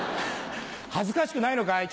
恥ずかしくないのかい？